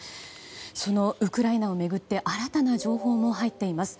そのウクライナを巡って新たな情報も入っています。